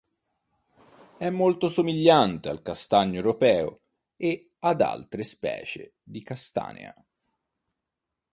È molto somigliante al castagno europeo e ad altre specie di "Castanea".